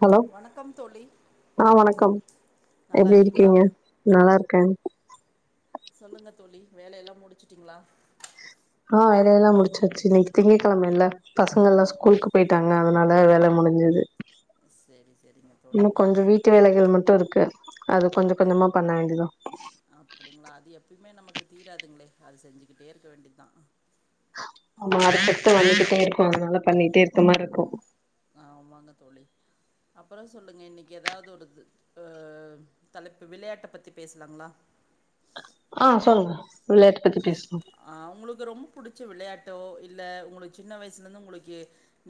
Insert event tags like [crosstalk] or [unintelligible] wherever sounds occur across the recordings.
Hello வணக்கம் தோழி ஆ வணக்கம் நல்லா எப்டி இருக்கீங்களா இருக்கீங்க நல்லா இருக்கே சொல்லுங்க தோழி வேல எல்லா முடுஞ்ச்சுட்டுங்களா ஆ வேலயெல்லா முடுச்சாச்சு இன்னிக்கு திங்க கிழம இல்ல பசங்க எல்லா ஆமா ஸ்கூலுக் பேய்ட்டாங்க அதனால வேல முடிஞ்சது சரி சரிங்க தோழி இன்னு கொஞ்ச வீட் டு வேலைகள் மட்டு இருக்கு அது கொஞ்சோ கொஞ்சமா பண்ண வேண்டிதா அப்டிங்களா அது எப்பயுமே நமக்கு தீராதுங்களே அது செஞ்சுக்கிட்டே இருக்க வேண்டி தா ஆமா அடுத்தடுத்து வந்துகிட்டே இருக்கு அதனால பண்ணிட்டே இருக்க மாரி இருக்கு ஆமாங்க தோழி அப்புறோ சொல்லுங்க இன்னிக்கி ஏதாவ்து ஒடுது அ தலைப்பு விளையாட்ட பத்தி பேசலாங்களா ஆ சொல்லுங்க விளயாட்ட பத்தி பேசுவோ அ உங்களுக்கு ரொம்ப புடுச்ச விளயாட்டோ இல்ல உங்களுக்கு சின்ன வயசுலேருந்து உங்களுக்கு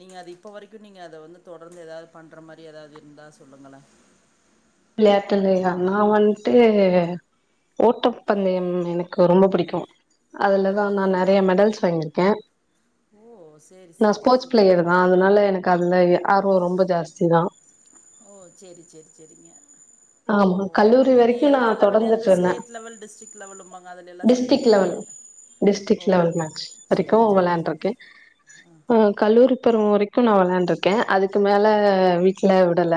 நீங்க அது இப்ப வரைக்கு நீங்க அத வந்து தொடர்ந்து ஏதாது பண்ற மாரி ஏதாது இருந்தா சொல்லுங்கள விளயாட்டுலேலா நா வன்ட்டு ஓட்டப் பந்தயம் எனக்கு ரொம்ப புடிக்கு ஓ அதுலதா நா அப்படிங்களா நெறய மெடல்ஸ் வாங்கியிருக்கே ஓ சேரி நா சேரி ஸ்போர்ட்ஸ் சூப்பர் பிளேயரு தான் அதுனால எனக்கு அதுல ஆர்வோ ரொம்ப ஜாஸ்தி தா ஓ செரி செரி செரிங்க ஓ ஆமா கல்லூரி நீங்க வரைக்கு நா எல்லா லெவல்லயு அந்த தொடர்ந்துட்ருந்தே ஸ்டேட் லெவல் டிஸ்ட்ரிக் லெவலும்பாங்க அதுல எல்லா டிஸ்ட்ரிக் சேந்துருக்கீங்க லெவல் டிஸ்ட்ரிக் ஓ லெவல் மேட்ச் வரைக்கு செரி செரி செரி வெளாண்ட்ருக்கே செரி கல்லூரி பருவோ வரைக்கு நா வெளயாண்ட்ருக்கே அதுக்கு மேல ஆ வீட்ல விடல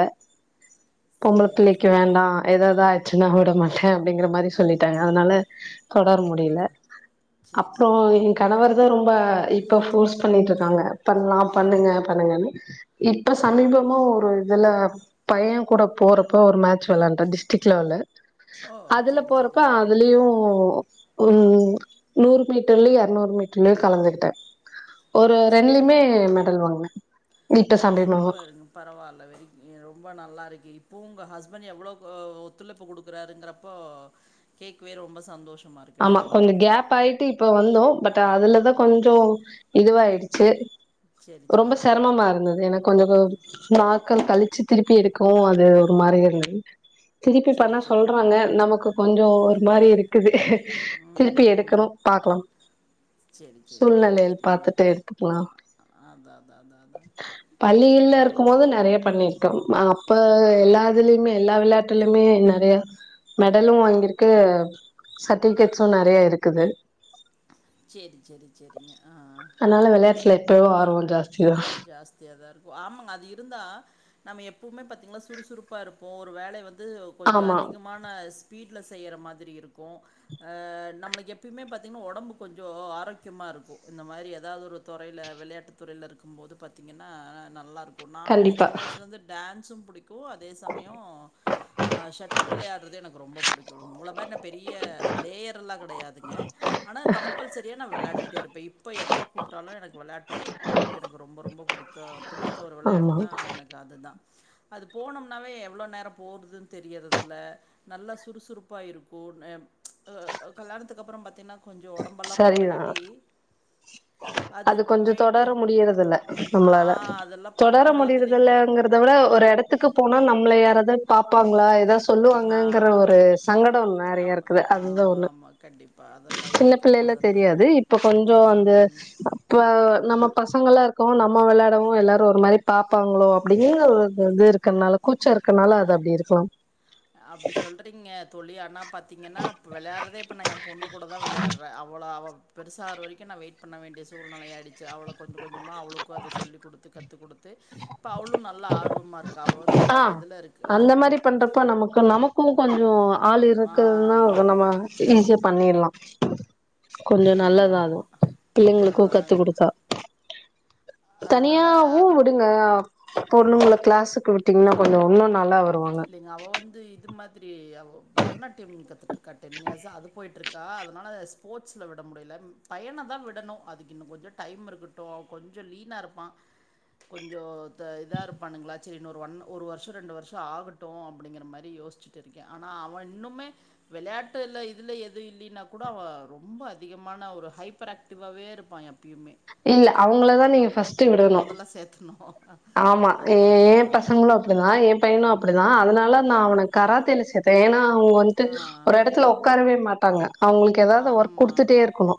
பொம்பள சேரி பிள்ளைக்கு சேரி வேண்டா எதாது ஆய்ச்சின்னா ஓட மாட்ட அப்டிங்கிற மாரி சொல்லிட்டாங்க அதனால தொடர முடியல அப்படிங்களா சேரி அப்போ சேரி எ சேரிங்க கணவர் தா ரொம்ப இப்ப ஃபோர்ஸ் பண்ணிட்ருக்காங்க பண்லா ஆ பண்ணுங்க பண்ணுங்கன்னு இப்ப ஆ சமீபமா ஒரு இதுல பையங் கூட போறப்ப ஒரு மேட்ச் வெளான்ட டிஸ்ட்ரிக் லெவல்ல ஓ அதுல சேரி போறப்ப சேரிங்க அதுலயு ம் நூறு மீட்டர்லயு இ எறநூறு மீட்டர்லயு கலந்துகிட்டே ஒரு சேரிங்க ரெண்லிம்மே மெடல் வாங்னே இப்ப ஓ சாம்பில் சூப்பருங்க பரவால்ல வெரி ரொம்ப நல்லா இருக்கே இப்பு உங்க ஹஸ்பண்ட் எவ்லோக்கு ஒத்துழைப்பு குடுக் க்குறாருங்கிறப்போ கேக்வே ரொம்ப சந்தோஷ் ஆமா கொஞ்ச கேப்பாய்ட்டு இப்ப வந்தோ பட் அதுல்லதா கொஞ்சோ இதுவாயிடுச்சு சரி ரொம்ப சரிங்க செரமமா இருந்தது எனக் கொஞ்ச நாக்கள் கழிச்சு திருப்பி எடுக்கவு அது ஒரு மாரி இருந்தது திருப்பி பண்ண சரி சரி சொல்றாங்க நமக்கு கொஞ்சோ ஒரு மாதிரி இருக்குது திருப்பி எடுக்கணு பாக்கலாம் சேரி சேரி சேரி சூழ்நிலையில் சரிங்க அதா அதா பள்ளியில்ல இருக்கும் போது நெறைய பண்ணிர்க்கோ அப்ப ம் எல்லாதுலியுமே எல்லா விளாட்டுலயுமே நெறைய மெடலு வாங்கியிருக்க டி கெச் சொன்னாரு நிறைய இருக்குது சேரி சேரி சேரிங்க ஆ அன்னால்ல விளையாட்டுல எப்போ ஆர்வோ ஜாஸ்தி தா ஜாஸ்தியாதா இருக்கு ஆமங்க அது இருந்தா நம்ம எப்பும்மே பாத்தீங்கன்னா சுறுசுறுப்பா இருப்போ ஒரு வேலை வந்து கொஞ்சோ ஆமா அதிக மான ஸ்பீட்ல செய்யற மாதிரி இருக்கு ஆ நம்மளுக் எப்பிம்மே பாத்தீங்ன்னா ஒடம்பு கொஞ்சோ ஆரோக்கியமா இருக்கு இந்த மாரி ஏதாவது ஒரு தொறையில விளையாட்டுத் தொறையில இருக் கும் போது பாத்தீங்கன்னா நல்லா இருக்கு நானு எனக் கண்டிப்பா சின்ன வயசுலந்து டேன்ஸ்சும் புடிக்கு அதே சமயோ ஆ ஷட்டில் விளையாடுறது எனக்கு ரொம்ப புடிக்கு உங்கள மாரி நா பெரிய பிளேயர் எல்லா கிடையாதுங்க ஆனா கம்பல்சரியா நா வெளாடிட்டே இருப்பே இப்ப எப்ப கூப்ட்டாலு எனக் வெளையாட்டு போற எனக்கு ரொம்ப ரொம்ப புடிக்கு பிடித்த ஒரு ஆமா விளையாட்டுனா எனக்கு அதுதா அது போனோம்னாவே எவ்ளோ நேரோ போடுதுன் தெரியறதில்ல நல்லா சுறுசுறுப்பா இருக்கு அ கல்யாணத்துக்கு அப்பறம் பாத்தீன்னா கொஞ்சோ ஒடம்பல்லா சரிதா போட்டங்காட்டி அது வெயிட்டு முடியறதுல்ல ஆ அதெல்லா பண்ண முடியற்து இல்லிங் அத விட ஒரு எடத்துக்கு போனா நம்மளை யாராவ்து பாப்பாங்களா எதாவ் ஆ சொல்லுவாங்கங்கிற ஒரு சங்கடோ நெறைய இருக்குது அதுதா ஒண்ணு மா கண்டிப்பா அதெல்லா சின்ன இருக்கு பிள்ளைல்ல அதனால தெரியாது இப்ப கொஞ்சோ அந்த ம் இப்ப நம்ம பசங்கள்லா இருக்கோ நம்ம விளையாடவோ எல்லாரும் ஒரு மாரி பாப்பாங்களோ அப்படிங்கிற ஒரு இது வந்து இருக் க்கனால கூச்ச இருக்கனால அது அப்படி இருக்கலாம் அப்படி சொல்றீங்க தோழி ஆனா பாத்தீங்கன்னா இப்ப விளையாற்றதே இப்ப நா எ பொண்ணு கூட தா விளையாற்றே அவளோ அவ பெருசார வரைக்கு நா வெயிட் பண்ண வேண்டிய சூழ்நெலை ஆயிடுச்சு அவள கொஞ்ச கொஞ்சமா அவளுக்கு அத சொல்லி குடுத்து கத்து குடுத்து இப்போ அவளு நல்ல ஆர்வமா இருக் அ அந்த மாரி பண்றப்ப நமக்கு நமக்கு கொஞ்சோ ஆள் ஆ இருக்குறதுன்னா நம்ம ஈஸியா பண்ணிட்லா கொஞ்சோ நல்லதா ஆமாங்க அது ஆ பிள்ளைங்ளுக்கு கத்து அதனால குடுத்தா அதனால தனியாவு அது விடுங்க பொண்ணுங்ல க்ளாஸுக்கு விட்டீங்ன்னா கொஞ்சோ இன்னு நல்லா வருவாங்க இல்லிங்க அவ வந்து இது மாதிரி அவ பரதநாட்டியம் கத்துட்டுருக்கா டென் இயர்ஸ் அது பொயிட்டுருக் அதனால ஸ்போர்ட்ஸ்ல விட முடில பையனதா விடணு அதுக்கு இன்னு கொஞ்சோ டைம் இருக்க ட்டு கொஞ்சோ லீனா இருப்பா கொஞ்சோ இதா இருப்பானுங்ளா சரி இன்னோ ஒரு ஒன் ஒரு வர்ஷோ ரெண்டு வர்ஷோ ஆகட்டு அப்டிங்ற மாரி யோசிச்சுட்டுருக்கே ஆனா அவ இன்னுமே வெளையாட்டுல்ல இதுல எது இல்லினா கூட அவ ரொம்ப அதிகமான ஒரு ஹைப்பர் ஆக்டிவாவே இருப்பா எப்ப இல்ல அவுங்களதா நீங்க பஸ்ட்டு விடணு சேத்துணு ஆமா ஏ ஏ பசங்ளு அப்படிதா ஏன் பையனு ம் அப்டிதா அதனால நா அவன கராத்தாலே சேத்தே ஏன்னா அவுங்க வன்ட்டு ஆ ஒரு எடத்துல உக்காரவே மாட்டாங்க அவுங்களுக்கு ஏதாவது ஒர்க் ஆமா குடுத்துட்டே இருக்கணு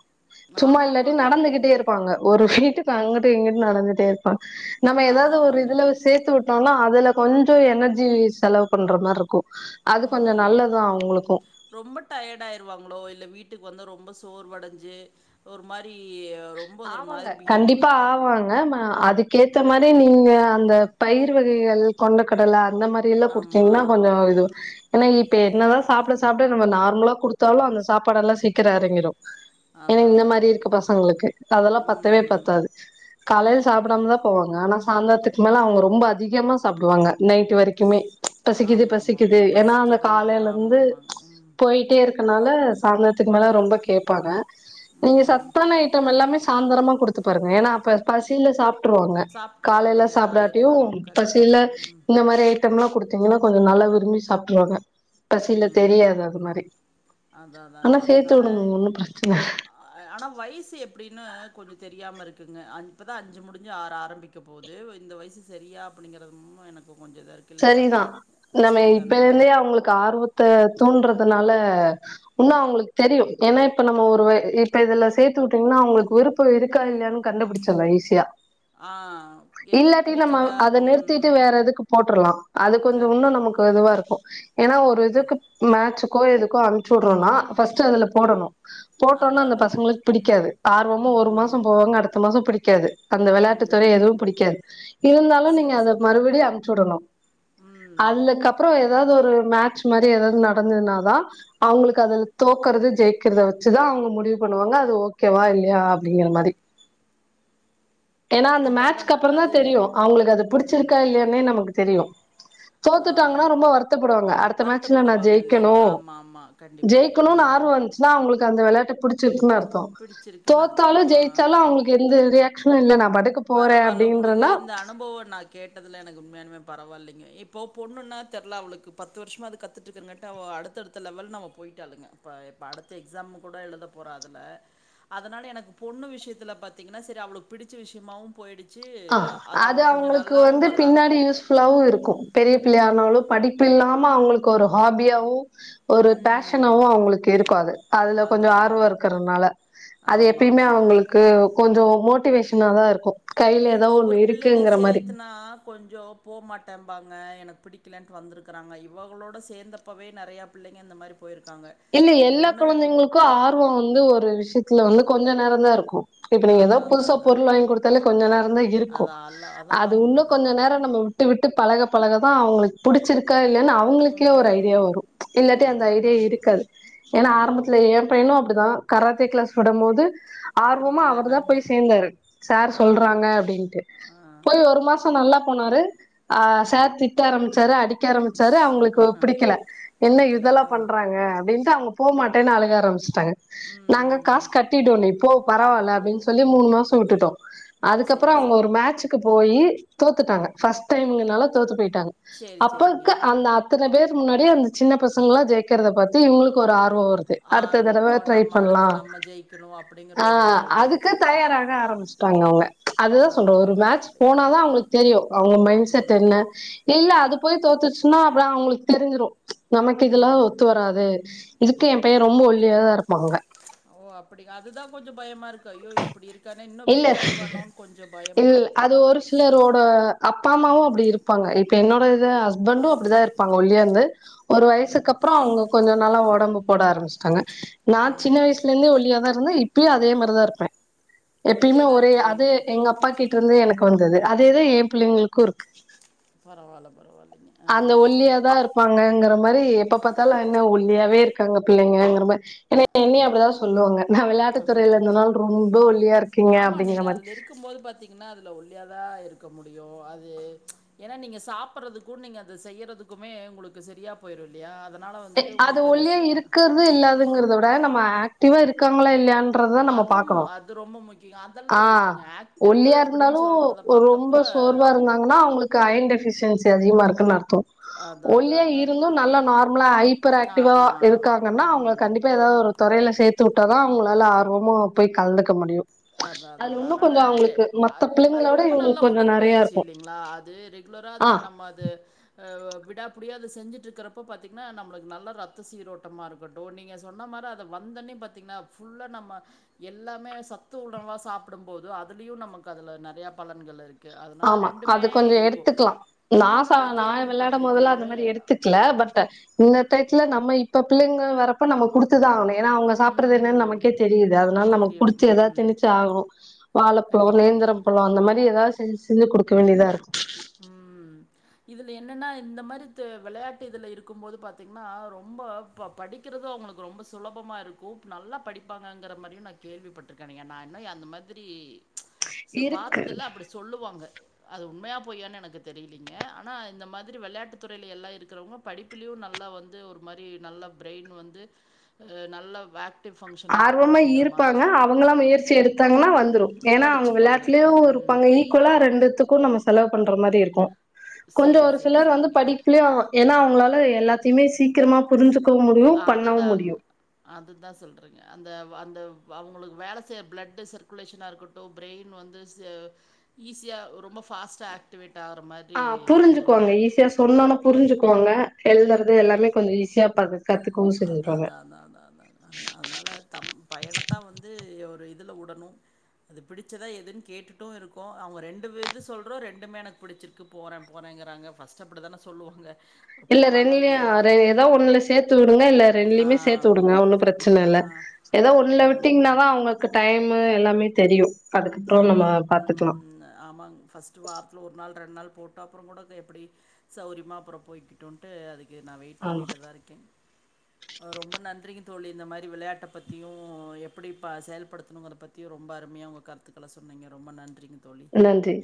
சும்மா இல்லாட்டி ஆமாமாங்க. நடந்துகிட்டே இருக்கணு ப்பாங்க ஒரு வீட்டுக்கு அங்குட்டு இங்குட்டு நடந்துட்டே இருப்பாங்க நம்ம ஏதாது ஒரு ஆமாமாங்க. இதுல சேத்து விட்டோனா அதுல கொஞ்சோ எனர்ஜி செலவு பண்ற மார்ருக்கு அது கொஞ்சோ ம். நல்லதா அவுங்ளுக்கு ரொம்ப டயர்ட் ஆயிருவாங்ளோ இல்ல வீட்டுக்கு வந்து ரொம்ப சோர் வடஞ்சு ஒரு மாரி ரொம்ப ஒரு ஆமாங்க மாரி பிஹேவ் பண் கண்டிப்பா ஆவாங்க ம அது கேத்த மாரி நீங்க அந்த பயிர் வகைகள் கொண்ட கடல அந்த மாரி யெல்ல ஆமா. குடுத்தீங்ன்னா கொஞ்சோ இது ஏன்னா இப்ப என்னதா சாப்ட சாப்ட நம்ம நார்மலா குடுத்தாலு அந்த சாப்பாட்ல்லா சீக்கிரோ எறங்கிரு ஏன்னா அதான், இந்த அதான், மாரி இருக்க அதாங்க. பசங்ளுக் அதெல்லா பத்தவே ம். பத்தாது காலையில சாப்டாமதா போவாங்க ஆனா சாந்தர்துக்கு மேல அவுங்க ரொம்ப அதிகமா சாப்டுவாங்க நைட் வரைக்குமே பசிக்குது பசிக்குது ஆமாமாமா. ஏன்னா அந்த பசிக்குதுன்ட்டு. காலையிலருந்து ஆமாமாங்க. ம். பொயிட்டே இரு கனால சாய்ந்ரத்துக்கு மேல ரொம்ப கேப்பாங்க நீங்க ம். சத்தான ஐட்டம் எல்லாமே சாந்ரமா குடுத்து பாருங்க ஏன்னா அப்ப பசியில சாப் ட்டுருவாங்க சாப்ட்டுருவாங்க காலையில எதா சாப்டாட்டியு இருந்தாலும். கரெக்ட்டு. பசில ம். இந்த மாரி ஐட்டம்லா குடுத்தீங்னா கொஞ்சோ நல்லா சாப்ட்ருவாங்க பசியில ம். தெரியாது அது மாரி அதா அதாங்க ஆனா சேத்து அதனால விடுங்க ஒன்னு பிரச்சன அ ஆனா வயசு எப்டின்னு கொஞ்சோ தெரியாம இருக்குங்க இப்பதா அஞ்சு முடிஞ்சு ஆறு ஆரம்பிக் க்க போது இந்த வயசு சரியா அப்டிங்றது எனக்கு கொஞ்சோ இதா இருக்கு இல்ல சரிதா நம்ம இப்ப சரிதானுங்க இருந்தே அவுங்களுக்கு ஆர்வத்த தூன்றதுனால இன்னோ அவுங்ளுக்கு தெரியு ஏன்னா இப்ப நம்ம ஒரு இப்ப இதுல சேத்து வுட்டீங்ன்னா அவுங்ளுக்கு விருப் போ இருகா இல்லையானு கண்டுபிடிச்சிர்லா ஈசியா ஆ எ இல்லாட்டி நம்ம புடிக்குதா அத ம் நிறுத்திட்டு வேற எதுக்கு போட்டுர்லா அது கொஞ்சோ இன்னு கரெக்ட்டு நமக்கு இதுவா இருக்கு ஏன்னா ஒரு இதுக்கு மேச்சுக்கோ எதுக்கோ அம்ச்சு விட்ரௌனா ஃபஸ்ட்டு அதுல போடணு போட்டோனா அதா அந்த அதாங்க பசங்களுக்கு பிடிக்காது ஆர்வம ஒரு ம் மாஷோ போவாங்க அடுத்த மாஷோ பிடிக்காது அந்த விளையாட்டு துறை ம் எதுவு பிடிக்காது இருந்தாலு நீங்க சரி அத சரி மறுப்டியு அனுப்சு விடணு ம் அல்லுக்கு அப்புறோ ஏதாவ்து ஒரு மேட்ச் மாரி ஏதாவ்து நடந்துதுனாதா அவங்களுக்கு அதுல தோக்குறது ஜெயிக்கிறத வச்சுதா அவங்க முடிவு பண்ணுவாங்க அது ஓகேவா இல்லையா அ டிங்கற மாரி [unintelligible] ஏன்னா அந்த அதா அதாங்க மேட்ச்க்கப்புறோ தா அது தெரியு அவங்களுக்கு ம் புடிச்சிருக்கா இல்லையானே தெரியு ஆ தோத்துடாங்கன்னா ரொம்ப வருத்தப்படுவாங்க அடுத்த மேட்சல நா வருத்தப்படுவாங்க ஜெயிக்கணு இல்லைங்களா ஆமா ஆமா கண்டிப்பாங்க ஜெயிக்கணுனு ம் ஆர்வ இருந்து ச்சுன்னா அவங்களுக்கு அந்த விளையாட்ட பிடிச்சிருக்குன்னு அர்த்தோ பிடிச்சிருக்குன்னு அர்த்தம் தோத்தாலு ஆ ஜெயிச்சாலு அவங்களுக்கு எந்த ரியாக் ஷேனு இல்ல நா பாட்டுக்க போறே பரவால்ல அப்டின்னு உங்களுக்கு இருந்தா [unintelligible] கேட்டதுல எனக்கு உண்மையலுமே பரவாயில்லைங்க இப்போ பொண்ணு னா தெட்ல அவளுக்கு பத்து வருஷமா கத்து அடுத்தடுத் தடுத்த லெவல்னு அவ போயிட்டாளுங்க இப்ப இப்ப அடுத்த எக்ஸாம் கூட எழுத போற அதுல அதனால எனக்கு பொண்ணு விஷயத்துல பாத்தீங்கன்னா செரி அவளுக்கு புடிச்ச விஷயமாவு போயிடுச்சு ஆ அது அவ்ளோ கொஞ்சோ நல்லாவு வர்றா ல்லவு இருக்கு பெரிய பிள்ளையானாலு படிப்பு இல்லாம அவங்களுக்கு ஒரு ஹாபியாவு ஒரு ம். ஃபேஷனுவு அவங்களுக்கு இருக்கு அது அதுல கொஞ்சோ அதான் ஆர்வ அதாங்க. இருக்கிறதுனால அது எப்பயுமே ஆமாமாங்க. அவங்களுக்கு கொஞ்சோ மோட்டிவேஷன தா இருக்கு கையில இல்லைங்க ஏதோ ஒவ்வொரு ஒண்ணு பிள்ளைங்க இருக்குங்கிற மாரி சேத்துனா கொஞ்சம் போகமாட்டேபாங்க எனக்கு பிடிக்கலன்னுட்டு வந்திருக்கிறாங்க இவங்களோட சேந்த ப்போவே நெறையா பிள்ளைங்க இந்த மாரி போயிருக்காங்க ஒ ஒன்னு ரெண் கு ஆர்வோ வந்து ஒரு விஷயத்துல வந்து கொஞ்ச நேர தா இருக்கு இப்ப நீங்க ஏதோ அதான் அதான் புதுசா அதாங்க. பொருள் வாங்கி குடுத்தாலே கொஞ்ச நேரோ தா இருக்கு அதான் அல்ல அது அதெல்லாம் உன்னு உண்மதாங்க. கொஞ்ச நேரோ நம்ம விட்டு விட்டு பழகப் பழகதா அவங்களுக்கு பிடிச்சிருக் கா இல்லையான்னு அவங்களுக்கே ஒரு ஐடியா ம். வரு இல்லாட்டி அந்த அதான் ஐடியா அதான். இருக்காது ஏன்னா ம். ஆரம்பத்து ஏ பையனு அப்டிதா கராத்தே கிளாஸ் விடும் போது ஆர்வமா அவர் தா பிடிக்கலன்னாங்களா? போய் சேந்தாரு சார் ஆ. சொல்றாங்க அப்டின்ட்டு ஆ. போய் ஒரு மாசோ நல்லா போனாரு ஆ சார் திட்ட ஆரம்பிச்சாரு அடிக் க ஆரமிச்சாரு அவங்களுக்கு பிடிக்கல என்ன பிடிக்கல. இதெல்லாம் அ. பண்றாங்க அப்டின்னுட்டு அவங்க போ மாட்டேன்னு அழுக ஆரம்பிச்சுட்டாங்க ம் நாங்க ம். காஸ் கட்டிட்டோ நீ போ ஆ, பரவாயில்ல ஓ! அப்டின்னு சொல்லி மூணு மாசோ வுட்டுட்டோ அதுக்கப்புறோ சரி அவங்க ஒரு சரிங்க. மேட்சுக்கு போய் தோத்துட்டாங்க ஃபர்ஸ்ட் டைம்ங்கனால தோத்துபோயிட்டாங்க சரி அப்பக்கு சரிங்க. அந்த அத்தனை பேர் முன்னாடிே அந்த சின்ன பசங்களா ஜெயிக்கிறத பாத்து இவங்களுக்கு ஒரு ஆர்வ வருது அடுத்த ஆர்வம் ஆ, தடவை ட்ரை நம்ம அடுத்து பண்ணலா நம்ம ஜெயிக்கணும் அப்படிங்கிற அ ஒரு இது அதுக் கு வந்துருச்சு தயாராக ஆரம்பிச்சிட்டாங்க அவங்க அதுதா சொல்ற பரவாயில்ல ஒரு மேட்ச பரவாயில்லைங்க போன தா அவங்களுக்கு தெரியு அவங்க மைண்ட் செட் ம் என்ன இல்ல அது போய் தோத்துச்சுன்னா அப்றோ அவங்களுக்கு தெரிஞ்சிரு நமக்கு இதெல்லா ம் ஒத்து வராத் இதுக்கு எ பைய ரொம்ப ஒல்லியா தா இருப்பாங்க ஓ அப்டி அதுதா கொஞ்சோ பயமா இருக்கு ஐயோ இப்டி இருக் கானே இன்னு வீக் இல்ல ஆகிருவானோன்னு கொஞ்சோ இல் பயம இருக்கு அது ஒரு சிலரோட அப்பா அம்மாவு அப்டி இருப்பாங்க இப்போ என்னோட இது ஹஸ்பண்டு அப்டிதா இருப்பாங்க ஒல்லியா இருந்து ஒரு ம் வயசுக்கு அப்புற அவங்க கொஞ்சோ நல்லா ஒடம்பு போட ஆரம்பிச்சிட்டாங்க நா ஆ சின்ன வயசு லந்தே ஒல்லியா தா இருப்ப இப்பயு அதே மாரி தா இருப்பே எப்பயுமே ஒல்லியாக தான் ஒரே இருக்கீங்க அது எங்க அப்பா கிட்ட இருந்து எனக்கு வந்தது அதேதா எ பிள்ளைங்களு க்கு இருக்கு பரவாயில்ல பரவாயில்லைங்க ஆ அந்த ஒல்லிய தா இரு ப்பாங்க மாரி எப்ப பாத்தாலு என்ன ஒல்லியாவே இருக்காங்க பிள்ளைங்கிற மாரி என என்னைய அப்டிதா சொல்லுவாங்க நா விளையாட்டு துறையில இருந்தனால ரொம்ப ஒல்லியா இருக் ஆமா நீங்க அதுல இருக்கும் போது பாத்தீங்கன்னா அதுல ஒல்லியாதா இருக்க முடியு அது ஏன்னா நீங்க சாப்பிடறதுக்கு நீங்க அத செய்யறதுக்குமே உங்களுக்கு செரியா போயிரு இல்லயா அதனால வந்துட்டு உங்களுக்கு அது ச [unintelligible] இல்லாதுங்கறத விட நம்ம ஆக்டிவா இருக்காங்களா இல்லயா பிறகுதா நம்ம அதுவும் பாக்கணு அது ரொம்ப முக்கியம். ஆ அதெல்லாம் இருக்குங்க. ஆக்டிவ் ஒல்லியா அப்படின்னு இருந்தாலு சொல்றத பார்த்தப்ப, ரொம்ப சோர்வாருந்தாங்கன்னா அவுங்களுக்கு அயன் டெபிஷியன்சி அதிகமாருக்குன்னு அர்த்தோ அதான் அதான் ஒல்லியா அதாங்க. இருந்து நல்லா நார் லா ஐப்பர் நான் ஆக்டிவா ஆ இருக்காங்கன்னா அவங்களுக்கு ம். கண்டிப்பா ஏதாவது ஒரு துரயில சேத்து வுட்டா தா அவுங்களால ஆர்வமா போய் கலந்துக்க முடியு அதா அதா அதுல இன்னு அதனால கொஞ்சோ அவங்களுக்கு அ மத்த இ அது பிள்ளைங்களோட ரொம்ப நல்ல இவங்களுக்கு கொஞ்சோ நெறைய உடற்பயிற்சி இருக்கு இல்லைங்களா அது ஆ வராதுல நம்ம அது ஆ விடாபிடியா அது செஞ்சுட்டுருக்கறப்போ பாத்தீங்கன்னா நம்ளுக்கு நல்ல ரத்த சீரோட்டமாருக்கு ட்டோ நீங்க சொன்ன மாரி அத வந்தொன்னே பாத்தீங்கன்னா ஃபுல்லா நம்ம எல்லாமே சத் து உணவா சாப்டும்போது அதுலயு நமக்கு அதில் நெறய பலன்கள் இருக் கு அதனால ஆமா ரெண்டுமே அது கொஞ்சோ இருக்கு எடுத்துக்கலா இன்னொன்னு நா கேள்விப்பட்ருக்கே ல பட் இந்த எடத்துல நம்ம இப்ப பிள்ளைங்க வர அப்ப நம்ம குடுத்துதா ஆகணு ஏன்னா அவங்க சாப்றது என்னன்னு ம். நமக்கே தெரியுது அதனால நம்ம தெரியும். குடுத்து எதாவது ம். திணுச்சு ஆகணு வாழப்பழம் கண்டிப்பாங்க. நேந்திரம் பழம் அந்த மாரி ஏதாவது செஞ்சு செஞ்சு குடுக்க வேண்டியதாருக்கு ம் இதுல என்னன்னா இந்த மாரி தெ வெளையாட்டு இதுல இருக்கும் போது பாத்தீங்கன்னா ரொம்ப படிக்கிறது அவுங்களுக்கு ரொம்ப சுலபமாருக்கு நல்லா படிப்பாங்கிற மாரியு நா கேள்விப்பட் றுக்கேனுங்க நா இன்னு அந்த மாதிரி சில இருக்கு பாத்ததில்ல அப்டி சொல்லுவாங்க அது உண்மையா பொய்யான்னு எனக்கு தெரிலீங்க ஆனா இந்த மாதிரி வெளையாட்டு துறைல எல்லாம் இருக்கிறவங்க படிப்புலயு நல்லா வந்து ஒரு மாரி நல்ல ப்ரெயின் வந்து நல்ல வே ஆர்வமா இருப்பாங்க அவுங்களா முயற்சி எடுத்தாங்கன்னா வந்துரு ஏன்னா அவங்க படிச்சுப்பாங்க. ம். விளாட்டுலேயுருப்பாங்க குலா ரெண்டுத்துக்கு நம்ம செலவு பண்ற மாரிருக்கு கொஞ்சோ சேரி, ஒரு சேரி, சிலர் வந்து சேரிங்க. படிப்புலயு ஏன்னா அவுங்களால எல்லாத்தயுமே சீக்கிரமா புரிஞ்சுக்கவு முடியு பண்ணவு முடியு அது தா சொல்றங்க அந்த வ அந்தவ் அவுங்களுக்கு வேல செய்ற பிளட் சர்க்குலேஷனா இருக்கட்டு ப்ரெயின் வந்து செ ஈஸியா ரொம்ப பாஸ்ட்டா ஆக்டிவேட் ஆகற மாரி ஆ அந்த புரிஞ்சுக்குவாங்க வெளையாட்டு ஈஸியா சொன்னோனே புரிஞ்சுக்குவாங்க எழுதுறது எல்லாமே கொஞ்சோ ஈஸியா பது அதா அதா அதா அதா அதா ன அதனால தம் பையனத்தா வந்து ஒரு இதுல வுடணு அது பிடிச்சதா எதுன்னு கேட்டுட்டு இருக்கோ அவுங்க ரெண்டு இது சொல்றா ரெண்டுமே எனக்கு பிடிச்சிருக்கு போறே போறேங்கிறாங்க ஃபர்ஸ்ட் அப்டிதானே சொல்லுவாங்க இல்ல போனாதா தெரியு ரெண்டுலயு எதோ ஒண்ணுல சேத்து வுடுங்க இல்ல ஆ ரெண்டுலயுமே சேத்து வுடுங்க ஒன்னு பிரச்சன ஆ இல்ல ஏதோ ஒன்ல ம் விட்டீங்கன்னாதா அவுங்க க்கு டைமு எல்லாமே தெரியு அதுக்கப்புறோ ஆமா நம்ம பாத்துக்கலா ம் ஆமாங் ஃபஸ்ட் டு வாரத்தில ஒரு நாள் ரெண்டு நாள் போட்ட அப்றோ கூட எப்டி சௌரியமா அப்றோ போய்கிட்டும்ன்ட்டு அதுக்கு நா வெயிட் ஆமா பண்ணிட்டுதாருக்கேன் ரொம்ப நன்றிங்க தோழி இந்த மாரி விளையாட்ட பத்தியு எப்டி ப செயல்படுத்தணுங்கறத பத்தி யு ரொம்ப அருமையா உங்க கருத்துக்கள சொன்னீங்க ரொம்ப நன்றிங்க தோழி நன்றி